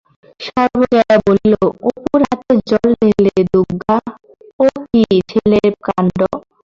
সর্বজয়া বলিল, অপুর হাতে জল ঢেলে দে দুগগা, ও কি ছেলেব কাণ্ড?